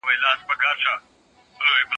هره ورځ لا جرګې کېږي د مېږیانو